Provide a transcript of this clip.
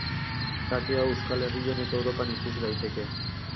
Kate hau Euskal Herrian eta Europan ikus daiteke.